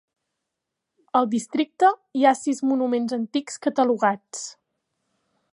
Al districte hi ha sis monuments antics catalogats.